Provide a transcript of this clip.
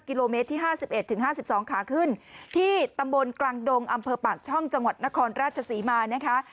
กิโลเมตรที่ห้าสิบเอ็ดถึงห้าสิบสองขาขึ้นที่ตำวนกลางดงอำเพื่อปากช่องจังหวัดนครราชศรีมานะคะ